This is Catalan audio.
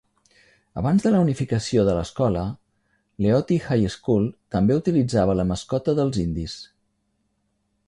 Abans de la unificació de l'escola, Leoti High School també utilitzava la mascota dels indis.